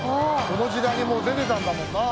この時代にもう出てたんだもんな